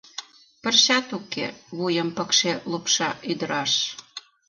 — Пырчат уке, — вуйым пыкше лупша ӱдыраш.